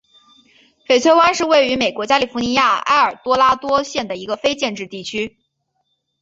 翡翠湾是位于美国加利福尼亚州埃尔多拉多县的一个非建制地区。